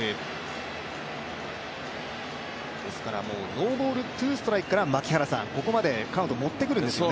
ノーボール・ツーストライクからカウントを持ってくるんですね。